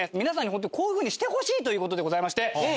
皆さんに本当にこういう風にしてほしいという事でございまして。